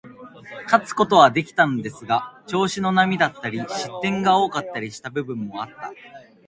勝つことはできたんですけど、調子の波だったり、失点が多かったりした部分もあった。